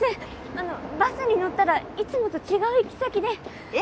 あのバスに乗ったらいつもと違う行き先で。え！？